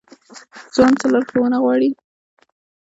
ځوان څه لارښوونه غواړي؟